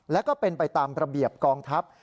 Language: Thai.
และก็เป็นไปตามระเบียบกองทัพ